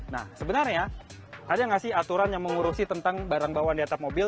nah sebenarnya ada gak sih aturan yang mengurusi tentang barang bawaan di atap mobil